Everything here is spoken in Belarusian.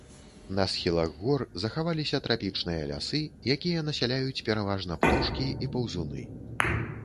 На схілах гор захаваліся трапічныя лясы, якія насяляюць пераважна птушкі і паўзуны.